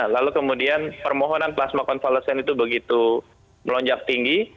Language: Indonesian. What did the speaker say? lalu kemudian permohonan plasma konvalesen itu begitu melonjak tinggi